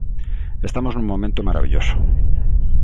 Estamos nun momento marabilloso.